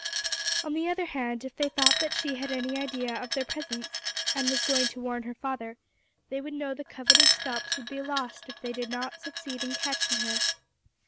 On the other hand, if they thought that she had had any idea of their presence, and was going to warn her father, they would know the coveted scalps would be lost if they did not succeed in catching her.